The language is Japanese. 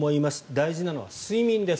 大事なのは睡眠です。